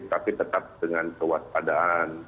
tapi tetap dengan kewaspadaan